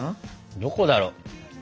どこだろう？